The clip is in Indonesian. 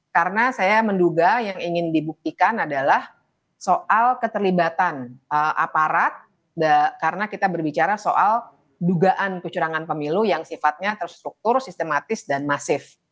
karena saya menduga yang ingin dibuktikan adalah soal keterlibatan aparat karena kita berbicara soal dugaan kecurangan pemilu yang sifatnya terstruktur sistematis dan masif